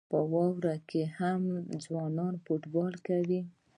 په واورو کې هم ځوانان فوټبال کوي.